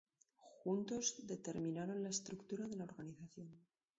Juntos, determinaron la estructura de la organización.